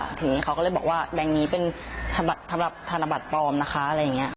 วันถึงเนี่ยเขาก็เลยบอกว่าแบงค์นี้ของเราเป็นธนบัตรปลอมนะคะ